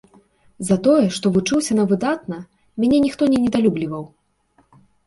За тое, што вучыўся на выдатна, мяне ніхто не недалюбліваў.